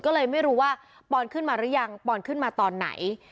ก็เลยไม่รู้ว่าปอนขึ้นมาหรือยังปอนขึ้นมาตอนไหน